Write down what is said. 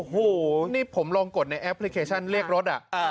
โอ้โหนี่ผมลองกดในแอปพลิเคชันเรียกรถ